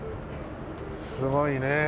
すごいね。